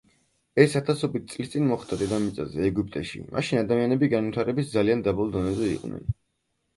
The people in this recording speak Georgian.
ეს ათასობით წლის წინ მოხდა, დედამიწაზე, ეგვიპტეში, მაშინ ადამიანები განვითარების ძალიან დაბალ დონეზე იყვნენ.